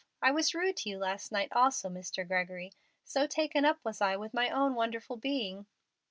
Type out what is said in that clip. I was rude to you last night also, Mr. Gregory, so taken up was I with my own wonderful being."